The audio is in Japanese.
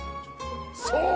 そう。